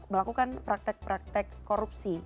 melakukan praktek praktek korupsi